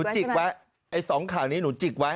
จิกไว้ไอ้๒ข่าวนี้หนูจิกไว้